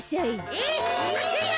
えっふざけんな！